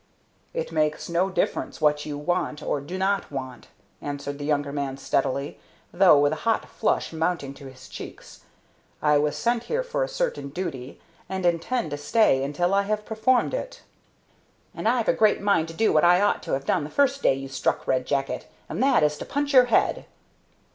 "It makes no difference what you want or do not want," answered the younger man steadily, though with a hot flush mounting to his cheeks. "I was sent here for a certain duty, and intend to stay until I have performed it." "And I've a great mind to do what I ought to have done the first day you struck Red Jacket, and that is to punch your head."